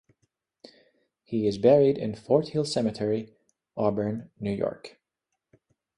He is buried in Fort Hill Cemetery, Auburn, New York.